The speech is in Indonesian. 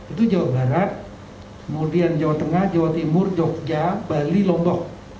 itu jawa barat kemudian jawa tengah jawa timur jogja bali lombok